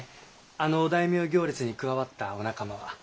あのお大名行列に加わったお仲間は。